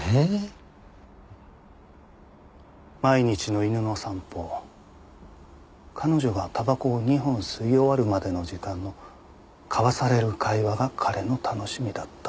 「毎日の犬の散歩“彼女”がたばこを２本吸い終わるまでの時間の交わされる会話が“彼”の楽しみだった」。